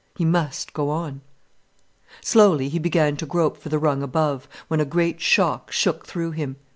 He must go on. Slowly he began to grope for the rung above, when a great shock shook through him.